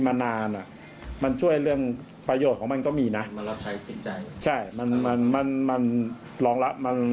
มานานมันช่วยเรื่องประโยชน์ของมันก็มีนะใช่มันมันมันมันมัน